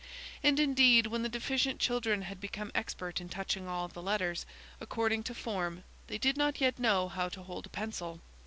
And, indeed, when the deficient children had become expert in touching all the letters according to form, they did not yet know how to hold a pencil.